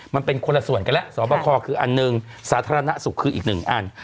มันเป็นคนละส่วนกันแล้วสอบคอคืออันหนึ่งสาธารณสุขคืออีกหนึ่งอัน